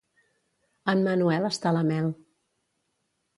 En Manuel està la mel.